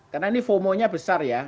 karena ini fomo nya besar ya